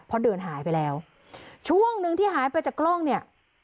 เพราะเดินหายไปแล้วช่วงหนึ่งที่หายไปจากกล้องเนี่ย